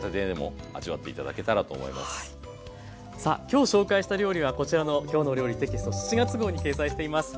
今日紹介した料理はこちらの「きょうの料理」テキスト７月号に掲載しています。